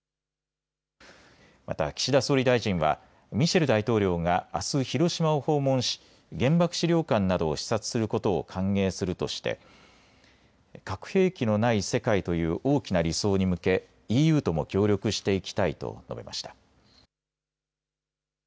また岸田総理大臣はミシェル大統領があす広島を訪問し原爆資料館などを視察することを歓迎するとして核兵器のない世界という大きな理想に向けＥＵとも協力していきたいと述べました。